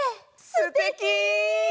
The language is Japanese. すてき！